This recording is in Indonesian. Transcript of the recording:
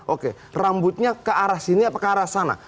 oke rambutnya ke arah sini atau ke arah sana